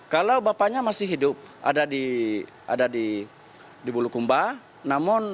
kalau bapaknya masih hidup ada di bulukumba